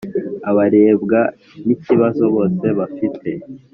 Abarebwa n’ ikibazo bose bafite